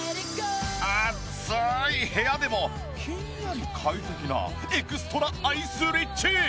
暑い部屋でもひんやり快適なエクストラアイスリッチ！